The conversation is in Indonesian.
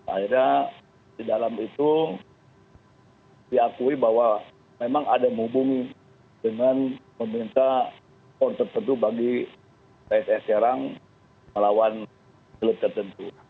akhirnya di dalam itu diakui bahwa memang ada menghubungi dengan pemerintah skor tertentu bagi pssi serang melawan telep tertentu